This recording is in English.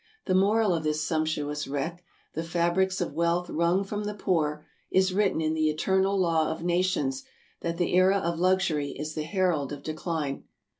The moral of this sumptuous wreck, the fabrics of wealth wrung from the poor, is written in the eternal law of nations that the era of luxury is the herald of decline.